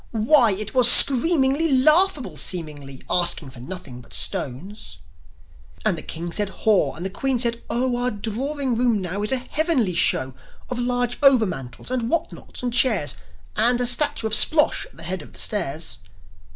Why, it was screamingly Laughable, seemingly Asking for nothing but stones! And the King said, "Haw!" and the Queen said, "Oh! Our drawing room now is a heavenly show Of large overmantels, and whatnots, and chairs, And a statue of Splosh at the head of the stairs!"